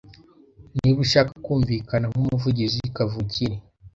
Niba ushaka kumvikana nkumuvugizi kavukire,